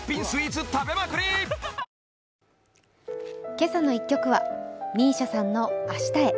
「けさの１曲」はＭＩＳＩＡさんの「明日へ」。